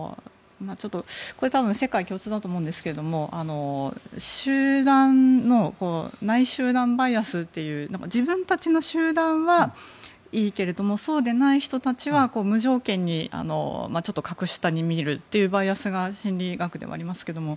世界共通だと思うんですけど集団の内集団バイアスという自分たちの集団はいいけれどもそうでない人たちは無条件に格下に見るというバイアスが心理学ではありますけれども。